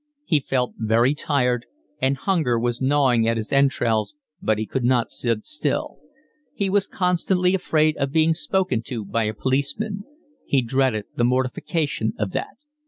He felt very tired, and hunger was gnawing at his entrails, but he could not sit still; he was constantly afraid of being spoken to by a policeman. He dreaded the mortification of that.